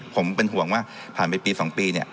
ผมเป็นห่วงว่าผ่านไปปี๒ปีเนี่ย